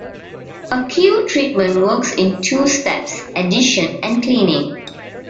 A Q-treatment works in two steps, addition and cleaning.